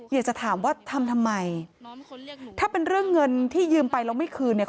อยากจะถามว่าทำทำไมถ้าเป็นเรื่องเงินที่ยืมไปแล้วไม่คืนเนี่ย